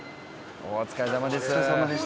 お疲れさまでした。